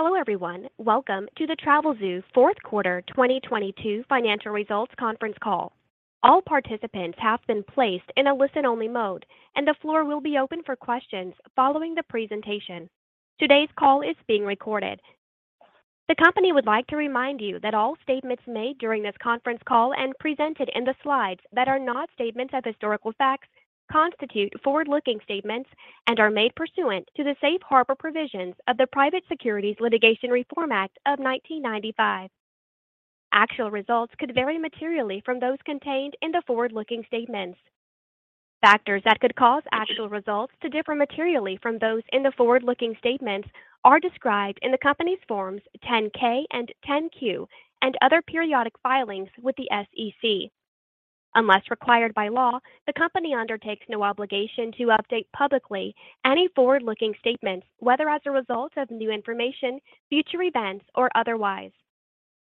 Hello everyone. Welcome to the Travelzoo Fourth Quarter 2022 Financial Results Conference Call. All participants have been placed in a listen-only mode. The floor will be open for questions following the presentation. Today's call is being recorded. The company would like to remind you that all statements made during this conference call and presented in the slides that are not statements of historical facts, constitute forward-looking statements and are made pursuant to the safe harbor provisions of the Private Securities Litigation Reform Act of 1995. Actual results could vary materially from those contained in the forward-looking statements. Factors that could cause actual results to differ materially from those in the forward-looking statements are described in the company's Forms 10-K and 10-Q and other periodic filings with the SEC. Unless required by law, the company undertakes no obligation to update publicly any forward-looking statements, whether as a result of new information, future events, or otherwise.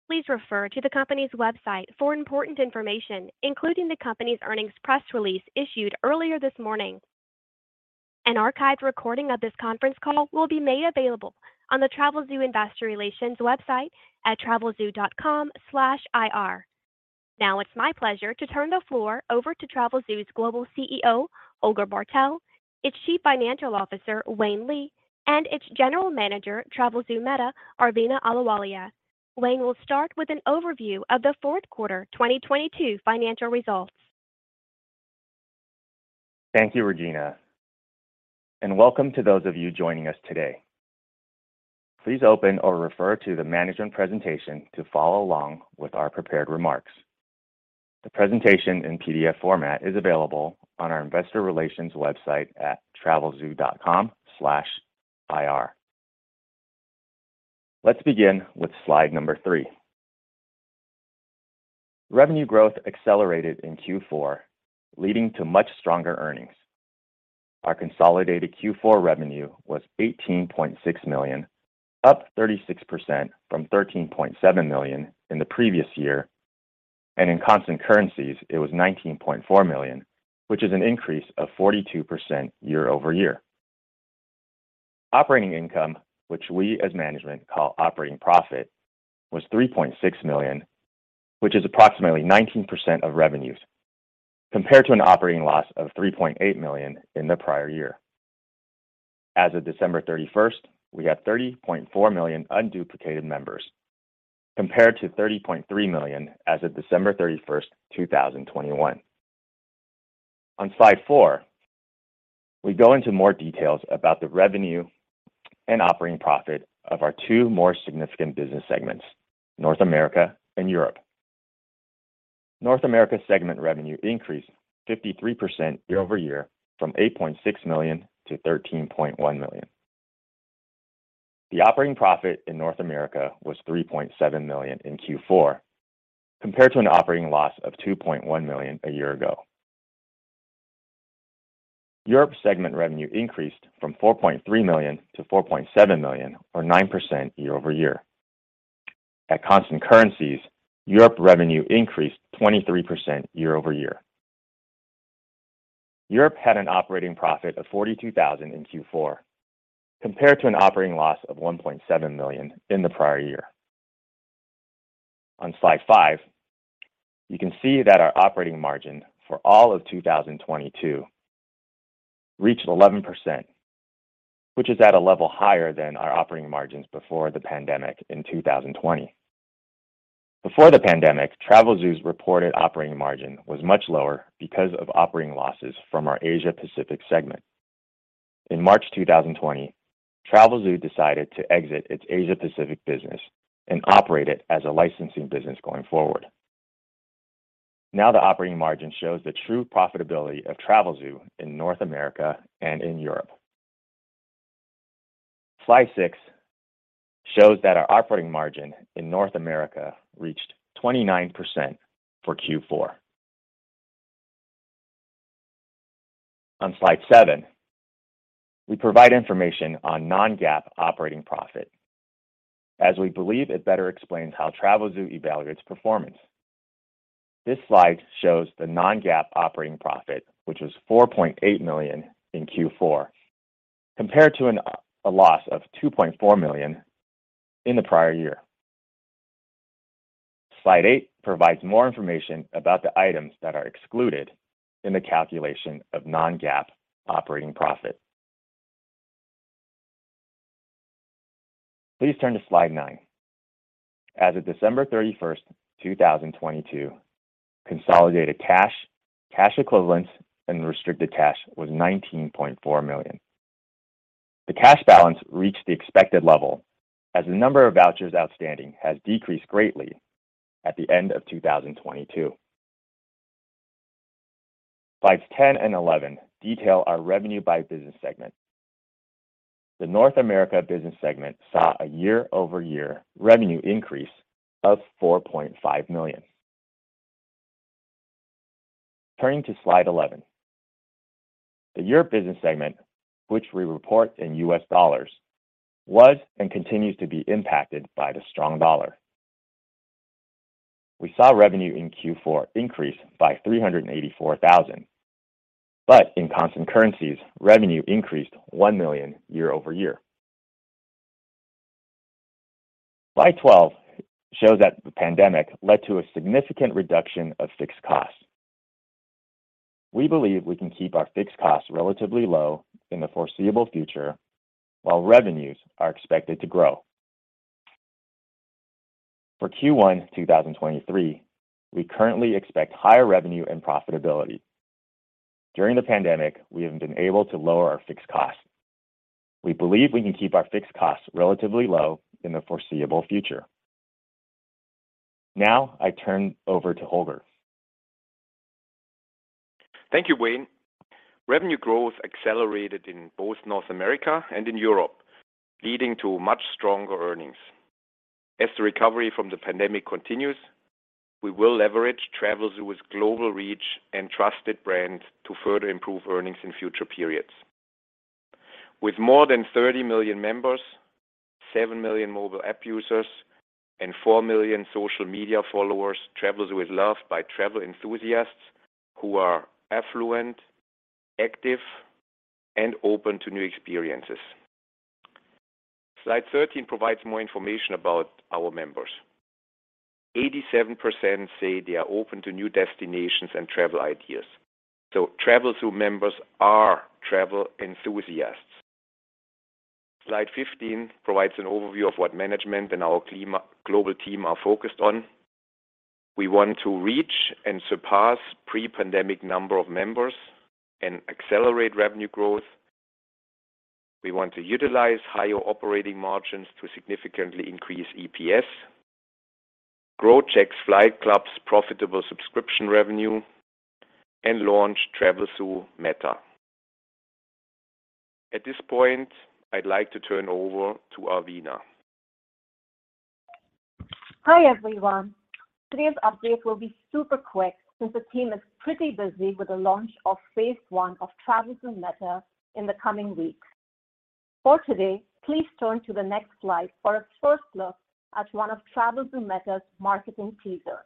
Please refer to the company's website for important information, including the company's earnings press release issued earlier this morning. An archived recording of this conference call will be made available on the Travelzoo investor relations website at travelzoo.com/ir. It's my pleasure to turn the floor over to Travelzoo's Global CEO, Holger Bartel, its Chief Financial Officer, Wayne Lee, and its General Manager, Travelzoo META, Arveena Ahluwalia. Wayne will start with an overview of the fourth quarter 2022 financial results. Thank you, Regina, and welcome to those of you joining us today. Please open or refer to the management presentation to follow along with our prepared remarks. The presentation in PDF format is available on our investor relations website at travelzoo.com/ir. Let's begin with slide number three. Revenue growth accelerated in Q4, leading to much stronger earnings. Our consolidated Q4 revenue was $18.6 million, up 36% from $13.7 million in the previous year, and in constant currencies, it was $19.4 million, which is an increase of 42% year-over-year. Operating income, which we as management call operating profit, was $3.6 million, which is approximately 19% of revenues, compared to an operating loss of $3.8 million in the prior year. As of December 31st, we have $30.4 million unduplicated members, compared to $30.3 million as of December 31st, 2021. On slide four, we go into more details about the revenue and operating profit of our two more significant business segments, North America and Europe. North America segment revenue increased 53% year-over-year from $8.6 million to $13.1 million. The operating profit in North America was $3.7 million in Q4, compared to an operating loss of $2.1 million a year ago. Europe segment revenue increased from $4.3 million to $4.7 million or 9% year-over-year. At constant currencies, Europe revenue increased 23% year-over-year. Europe had an operating profit of $42,000 in Q4, compared to an operating loss of $1.7 million in the prior year. On slide five, you can see that our operating margin for all of 2022 reached 11%, which is at a level higher than our operating margins before the pandemic in 2020. Before the pandemic, Travelzoo's reported operating margin was much lower because of operating losses from our Asia-Pacific segment. In March 2020, Travelzoo decided to exit its Asia-Pacific business and operate it as a licensing business going forward. The operating margin shows the true profitability of Travelzoo in North America and in Europe. Slide six shows that our operating margin in North America reached 29% for Q4. On slide seven, we provide information on non-GAAP operating profit, as we believe it better explains how Travelzoo evaluates performance. This slide shows the non-GAAP operating profit, which was $4.8 million in Q4, compared to a loss of $2.4 million in the prior year. Slide eight provides more information about the items that are excluded in the calculation of non-GAAP operating profit. Please turn to slide nine. As of December 31st, 2022, consolidated cash equivalents, and restricted cash was $19.4 million. The cash balance reached the expected level as the number of vouchers outstanding has decreased greatly at the end of 2022. Slides 10 and 11 detail our revenue by business segment. The North America business segment saw a year-over-year revenue increase of $4.5 million. Turning to slide 11, the Europe business segment, which we report in U.S. dollars, was and continues to be impacted by the strong dollar. We saw revenue in Q4 increase by $384,000. In constant currencies, revenue increased $1 million year-over-year. Slide 12 shows that the pandemic led to a significant reduction of fixed costs. We believe we can keep our fixed costs relatively low in the foreseeable future, while revenues are expected to grow. For Q1 2023, we currently expect higher revenue and profitability. During the pandemic, we have been able to lower our fixed costs. We believe we can keep our fixed costs relatively low in the foreseeable future. I turn over to Holger. Thank you, Wayne. Revenue growth accelerated in both North America and in Europe, leading to much stronger earnings. As the recovery from the pandemic continues, we will leverage Travelzoo's global reach and trusted brand to further improve earnings in future periods. With more than 30 million members, 7 million mobile app users, and 4 million social media followers, Travelzoo is loved by travel enthusiasts who are affluent, active, and open to new experiences. Slide 13 provides more information about our members. 87% say they are open to new destinations and travel ideas, Travelzoo members are travel enthusiasts. Slide 15 provides an overview of what management and our global team are focused on. We want to reach and surpass pre-pandemic number of members and accelerate revenue growth. We want to utilize higher operating margins to significantly increase EPS, grow Jack's Flight Club's profitable subscription revenue, and launch Travelzoo Meta. At this point, I'd like to turn over to Arveena. Hi, everyone. Today's update will be super quick since the team is pretty busy with the launch of phase I of Travelzoo META in the coming weeks. For today, please turn to the next slide for a first look at one of Travelzoo META's marketing teasers.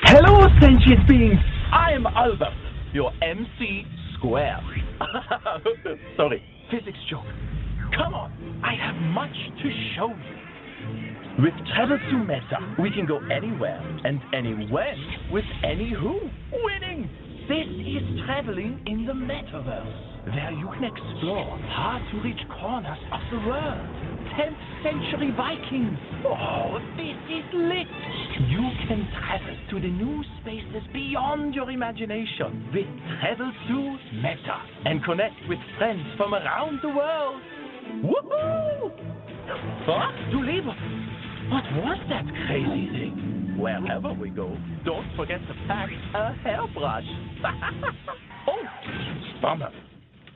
Hello, sentient beings. I am Albert, your MC². Sorry, physics joke. Come on, I have much to show you. With Travelzoo META, we can go anywhere and anywhen with any who. Winning! This is traveling in the Metaverse, where you can explore hard-to-reach corners of the world. Tenth-century Vikings. Oh, this is lit. You can travel to the new spaces beyond your imagination with Travelzoo META and connect with friends from around the world. Whoo-hoo! Du lieber, what was that crazy thing? Wherever we go, don't forget to pack a hairbrush. Oh, bummer.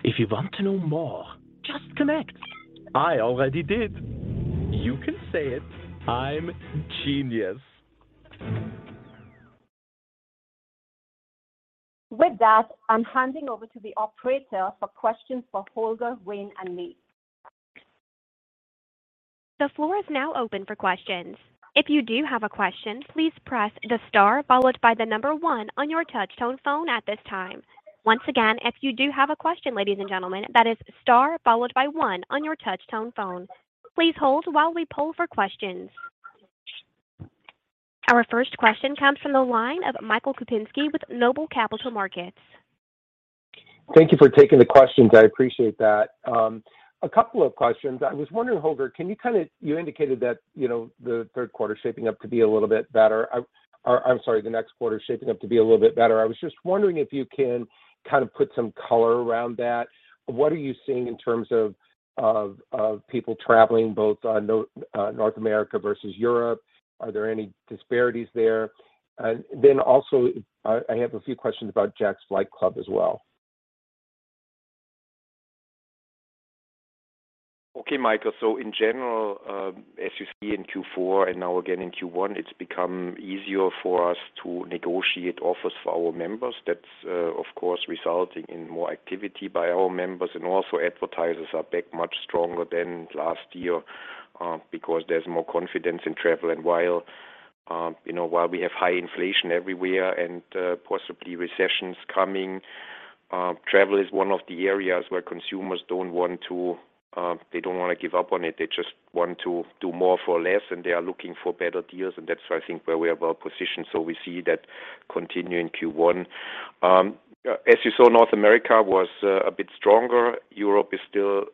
If you want to know more, just connect. I already did. You can say it. I'm genius. With that, I'm handing over to the operator for questions for Holger, Wayne, and me. The floor is now open for questions. If you do have a question, please press the star followed by one on your touch-tone phone at this time. Once again, if you do have a question, ladies and gentlemen, that is star followed by one on your touch-tone phone. Please hold while we poll for questions. Our first question comes from the line of Michael Kupinski with Noble Capital Markets. Thank you for taking the questions. I appreciate that. A couple of questions. I was wondering, Holger, You indicated that, you know, the third quarter is shaping up to be a little bit better. Or I'm sorry, the next quarter is shaping up to be a little bit better. I was just wondering if you can kind of put some color around that. What are you seeing in terms of people traveling both on North America versus Europe? Are there any disparities there? Also I have a few questions about Jack's Flight Club as well. Okay, Michael. In general, as you see in Q4 and now again in Q1, it's become easier for us to negotiate offers for our members. That's, of course, resulting in more activity by our members. Also advertisers are back much stronger than last year, because there's more confidence in travel. While, you know, while we have high inflation everywhere and possibly recessions coming, travel is one of the areas where consumers don't want to. They don't wanna give up on it. They just want to do more for less, and they are looking for better deals, and that's where I think where we are well-positioned. We see that continue in Q1. As you saw, North America was a bit stronger. Europe is still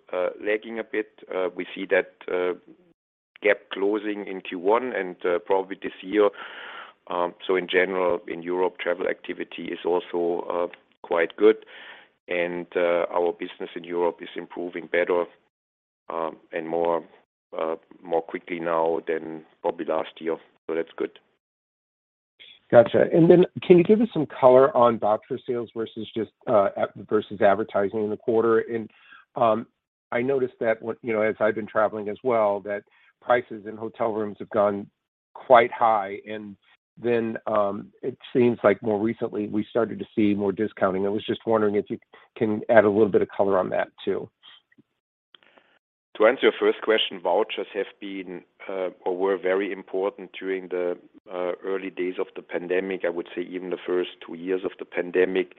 lagging a bit. We see that gap closing in Q1 and probably this year. In general, in Europe, travel activity is also quite good. Our business in Europe is improving better and more quickly now than probably last year. That's good. Gotcha. Can you give us some color on voucher sales versus just versus advertising in the quarter? I noticed that, you know, as I've been traveling as well, that prices in hotel rooms have gone quite high. It seems like more recently we started to see more discounting. I was just wondering if you can add a little bit of color on that too. To answer your first question, vouchers have been, or were very important during the early days of the pandemic, I would say even the first two years of the pandemic,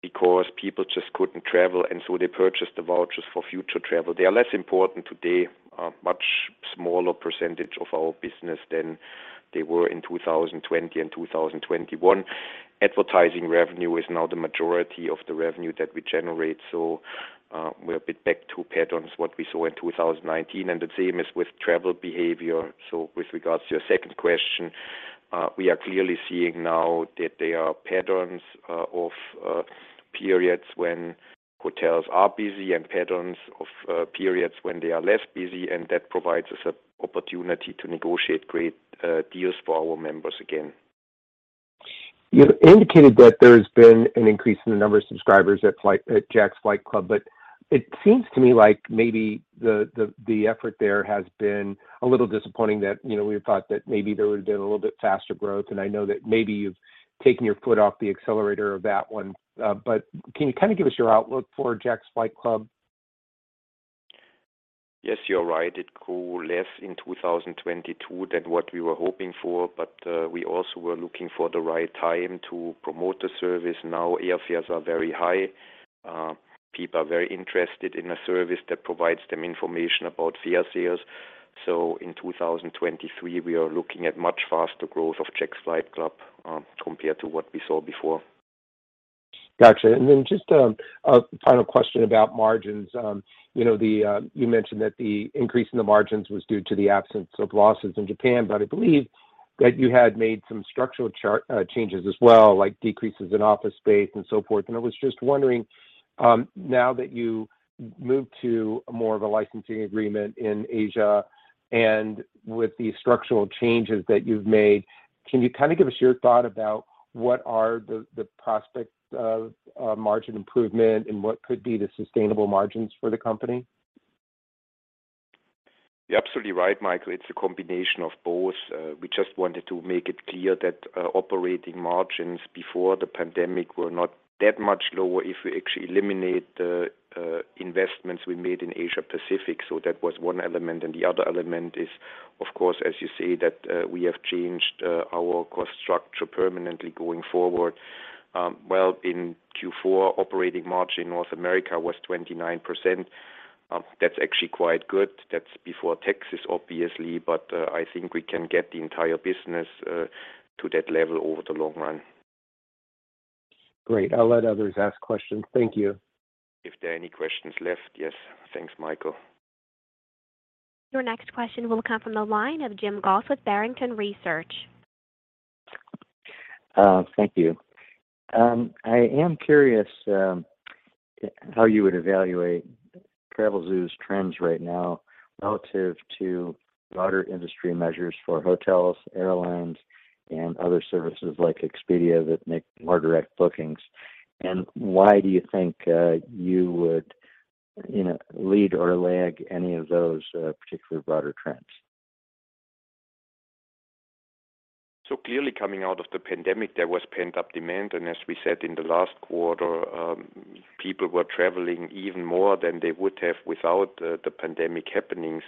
because people just couldn't travel. They purchased the vouchers for future travel. They are less important today, a much smaller percentage of our business than they were in 2020 and 2021. Advertising revenue is now the majority of the revenue that we generate. We're a bit back to patterns what we saw in 2019. The same is with travel behavior. With regards to your second question, we are clearly seeing now that there are patterns of periods when hotels are busy and patterns of periods when they are less busy, and that provides us an opportunity to negotiate great deals for our members again. You indicated that there has been an increase in the number of subscribers at Jack's Flight Club, but it seems to me like maybe the effort there has been a little disappointing that, you know, we thought that maybe there would have been a little bit faster growth. I know that maybe you've taken your foot off the accelerator of that one. Can you kind of give us your outlook for Jack's Flight Club? Yes, you're right. It grew less in 2022 than what we were hoping for, but we also were looking for the right time to promote the service. Airfares are very high. People are very interested in a service that provides them information about fair sales. In 2023, we are looking at much faster growth of Jack's Flight Club compared to what we saw before. Got you. Then just, a final question about margins. You know, the, you mentioned that the increase in the margins was due to the absence of losses in Japan, but I believe that you had made some structural changes as well, like decreases in office space and so forth. I was just wondering, now that you moved to more of a licensing agreement in Asia and with the structural changes that you've made, can you kinda give us your thought about what are the prospects of margin improvement and what could be the sustainable margins for the company? You're absolutely right, Michael. It's a combination of both. We just wanted to make it clear that operating margins before the pandemic were not that much lower if we actually eliminate the investments we made in Asia-Pacific. That was one element. The other element is, of course, as you say, that we have changed our cost structure permanently going forward. Well, in Q4, operating margin in North America was 29%. That's actually quite good. That's before taxes, obviously, but I think we can get the entire business to that level over the long run. Great. I'll let others ask questions. Thank you. If there are any questions left. Yes. Thanks, Michael. Your next question will come from the line of Jim Goss with Barrington Research. Thank you. I am curious how you would evaluate Travelzoo's trends right now relative to broader industry measures for hotels, airlines, and other services like Expedia that make more direct bookings. Why do you think you would, you know, lead or lag any of those particular broader trends? Clearly coming out of the pandemic, there was pent-up demand. As we said in the last quarter, people were traveling even more than they would have without the pandemic happening.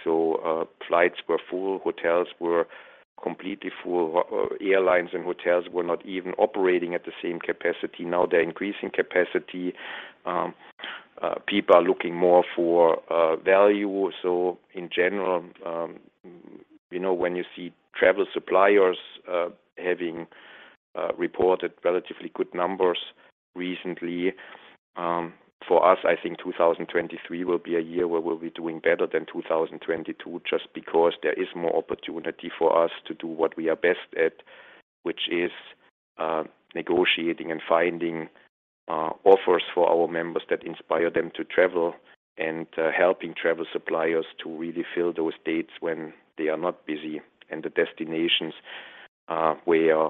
Flights were full, hotels were completely full. Airlines and hotels were not even operating at the same capacity. Now they're increasing capacity. People are looking more for value. In general, you know, when you see travel suppliers having reported relatively good numbers recently, for us, I think 2023 will be a year where we'll be doing better than 2022 just because there is more opportunity for us to do what we are best at, which is negotiating and finding offers for our members that inspire them to travel and helping travel suppliers to really fill those dates when they are not busy, and the destinations, where,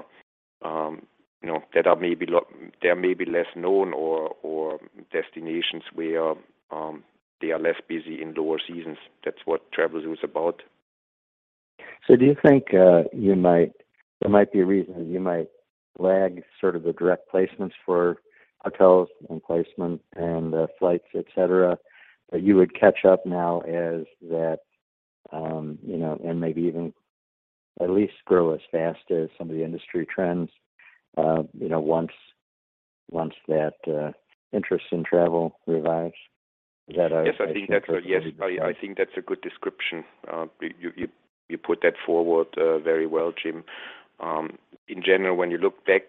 you know, that are maybe less known or destinations where they are less busy in lower seasons. That's what Travelzoo is about. Do you think, there might be a reason you might lag sort of the direct placements for hotels and placement and flights, et cetera, but you would catch up now as that, you know, and maybe even at least grow as fast as some of the industry trends, you know, once that interest in travel revives? Is that? Yes, I think that's a good description. You put that forward very well, Jim. In general, when you look back,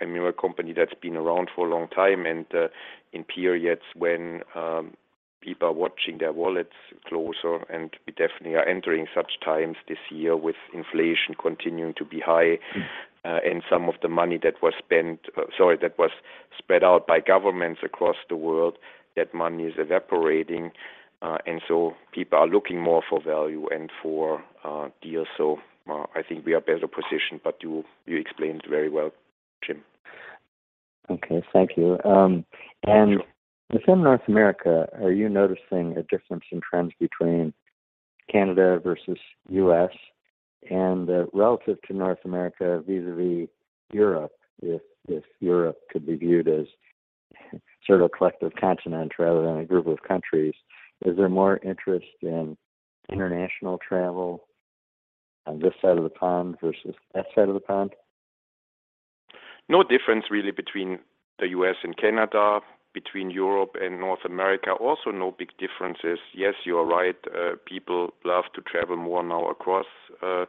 I mean, we're a company that's been around for a long time, in periods when people are watching their wallets closer, and we definitely are entering such times this year with inflation continuing to be high, and some of the money that was spent-- sorry, that was spread out by governments across the world, that money is evaporating. People are looking more for value and for deals. I think we are better positioned, but you explained very well, Jim. Okay. Thank you. Sure. Within North America, are you noticing a difference in trends between Canada versus U.S.? Relative to North America vis-a-vis Europe, if Europe could be viewed as sort of a collective continent rather than a group of countries, is there more interest in international travel on this side of the pond versus that side of the pond? No difference really between the U.S. and Canada. Between Europe and North America, also no big differences. Yes, you are right, people love to travel more now across the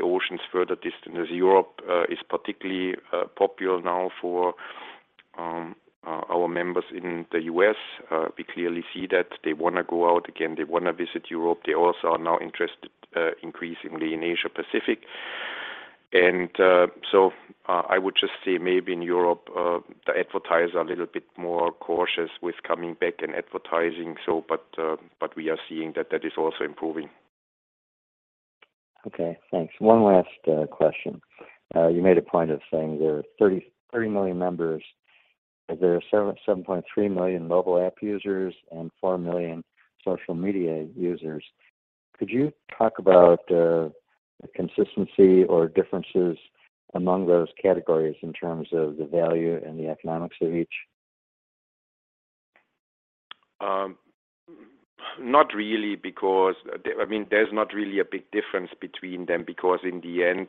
oceans, further distances. Europe is particularly popular now for our members in the U.S. We clearly see that they wanna go out again, they wanna visit Europe. They also are now interested, increasingly in Asia-Pacific. I would just say maybe in Europe, the advertisers are a little bit more cautious with coming back and advertising, but we are seeing that that is also improving. Okay, thanks. One last question. You made a point of saying there are 30 million members. There are 7.3 million mobile app users and 4 million social media users. Could you talk about the consistency or differences among those categories in terms of the value and the economics of each? Not really because, I mean, there's not really a big difference between them because in the end,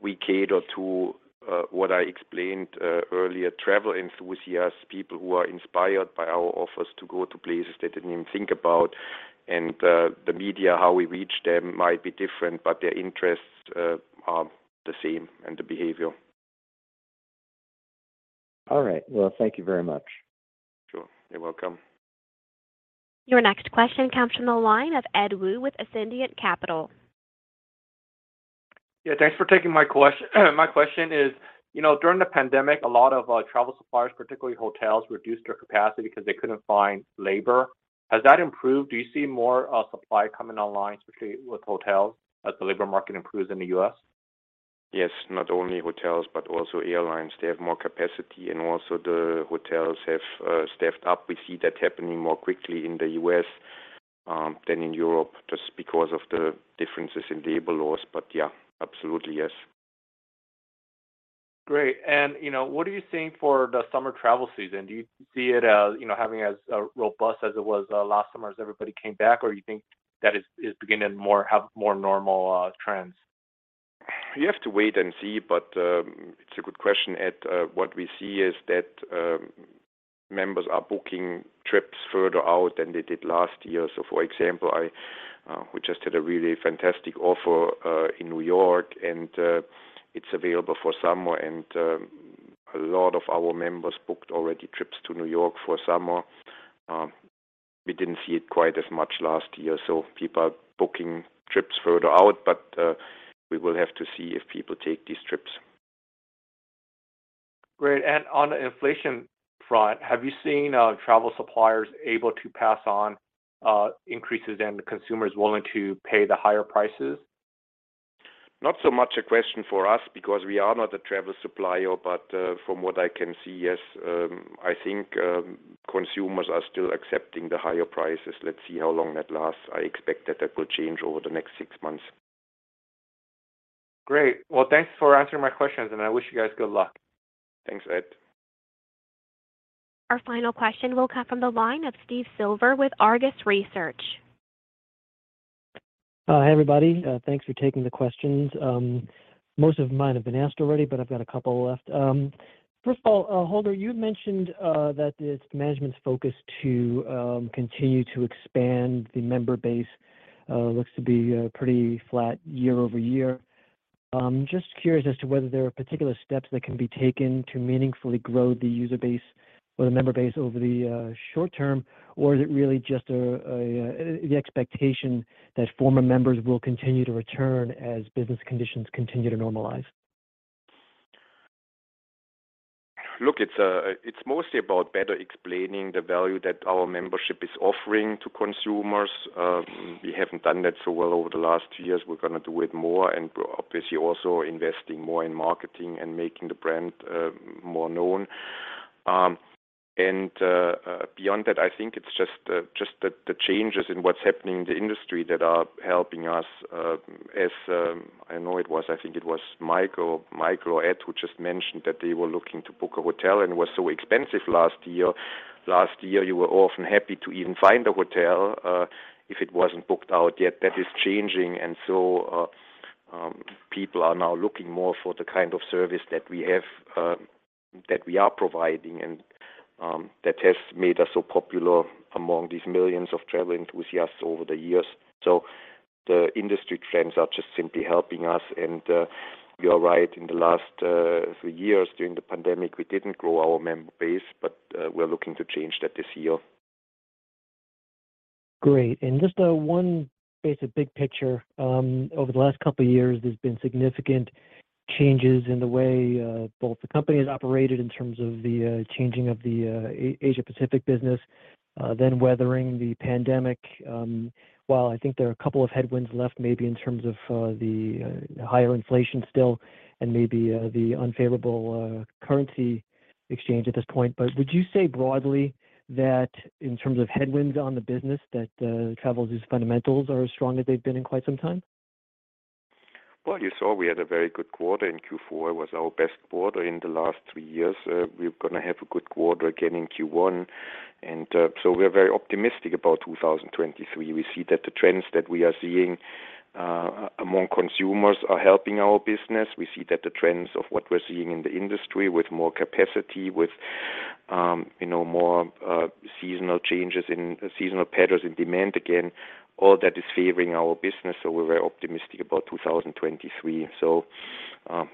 we cater to what I explained earlier, travel enthusiasts, people who are inspired by our offers to go to places they didn't even think about. The media, how we reach them might be different, but their interests are the same, and the behavior. All right. Well, thank you very much. Sure. You're welcome. Your next question comes from the line of Ed Woo with Ascendiant Capital. Yeah, thanks for taking my question. My question is, you know, during the pandemic, a lot of travel suppliers, particularly hotels, reduced their capacity 'cause they couldn't find labor. Has that improved? Do you see more supply coming online, especially with hotels, as the labor market improves in the U.S.? Yes. Not only hotels, but also airlines. They have more capacity, and also the hotels have stepped up. We see that happening more quickly in the U.S. than in Europe, just because of the differences in the labor laws. Yeah, absolutely, yes. Great. you know, what are you seeing for the summer travel season? Do you see it as, you know, having as robust as it was last summer as everybody came back, or you think that is have more normal trends? You have to wait and see, it's a good question, Ed. What we see is that members are booking trips further out than they did last year. For example, we just had a really fantastic offer in New York and it's available for summer, and a lot of our members booked already trips to New York for summer. We didn't see it quite as much last year, so people are booking trips further out, we will have to see if people take these trips. Great. On the inflation front, have you seen travel suppliers able to pass on increases and the consumers willing to pay the higher prices? Not so much a question for us because we are not a travel supplier. From what I can see, yes, I think consumers are still accepting the higher prices. Let's see how long that lasts. I expect that that will change over the next six months. Great. Well, thanks for answering my questions, and I wish you guys good luck. Thanks, Ed. Our final question will come from the line of Steve Silver with Argus Research. Hi, everybody. Thanks for taking the questions. Most of mine have been asked already. I've got a couple left. First of all, Holger, you've mentioned that the management's focus to continue to expand the member base looks to be pretty flat year-over-year. Just curious as to whether there are particular steps that can be taken to meaningfully grow the user base or the member base over the short term, or is it really just the expectation that former members will continue to return as business conditions continue to normalize? Look, it's mostly about better explaining the value that our membership is offering to consumers. We haven't done that so well over the last two years. We're gonna do it more, we're obviously also investing more in marketing and making the brand more known. Beyond that, I think it's just the changes in what's happening in the industry that are helping us as I know it was, I think it was Mike or Ed who just mentioned that they were looking to book a hotel and it was so expensive last year. Last year, you were often happy to even find a hotel if it wasn't booked out yet. That is changing. People are now looking more for the kind of service that we have, that we are providing and that has made us so popular among these millions of travel enthusiasts over the years. The industry trends are just simply helping us, and you are right, in the last three years during the pandemic, we didn't grow our member base, but we're looking to change that this year. Great. Just one basic big picture. Over the last couple of years, there's been significant changes in the way both the company has operated in terms of the changing of the Asia-Pacific business, then weathering the pandemic. While I think there are a couple of headwinds left, maybe in terms of the higher inflation still and maybe the unfavorable currency exchange at this point. Would you say broadly that in terms of headwinds on the business, that Travelzoo's fundamentals are as strong as they've been in quite some time? Well, you saw we had a very good quarter in Q4. It was our best quarter in the last three years. We're gonna have a good quarter again in Q1, and so we're very optimistic about 2023. We see that the trends that we are seeing among consumers are helping our business. We see that the trends of what we're seeing in the industry with more capacity, with, you know more seasonal patterns in demand, again, all that is favoring our business, so we're very optimistic about 2023.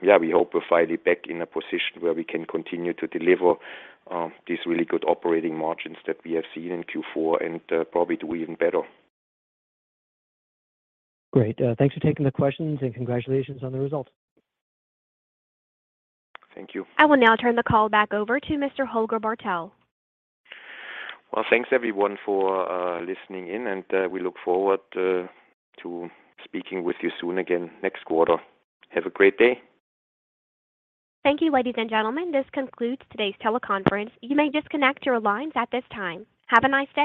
Yeah, we hope we're finally back in a position where we can continue to deliver these really good operating margins that we have seen in Q4 and probably do even better. Great. Thanks for taking the questions, congratulations on the results. Thank you. I will now turn the call back over to Mr. Holger Bartel. Well, thanks, everyone, for listening in, and we look forward to speaking with you soon again next quarter. Have a great day. Thank you, ladies and gentlemen. This concludes today's teleconference. You may disconnect your lines at this time. Have a nice day.